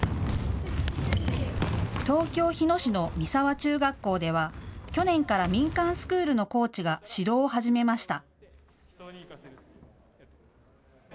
東京日野市の三沢中学校では去年から民間スクールのコーチが指導を始めました。